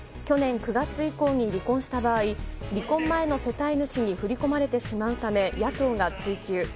去年９月以降に離婚した場合離婚前の世帯主に振り込まれてしまうため野党が追及。